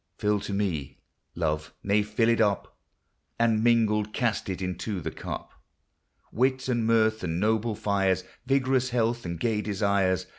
Fill to me, Love, nay fill it up ; And, mingled, cast into the cup Wit, and mirth, and noble fires, Vigorous health, and gay desires.